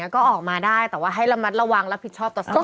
ก็ออกมาได้แต่ว่าให้ระมัดระวังรับผิดชอบต่อสังคม